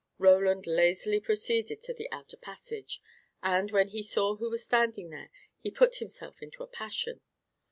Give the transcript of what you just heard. Roland lazily proceeded to the outer passage, and, when he saw who was standing there, he put himself into a passion.